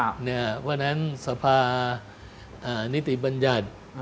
เพราะฉะนั้นสภานิติบัญญัติ